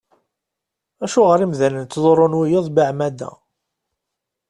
Acuɣer imdanen ttḍurrun wiyaḍ beεmada?